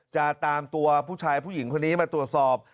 จะตามตัวผู้ชายผู้หญิงคนนี้มาตรวจสอบ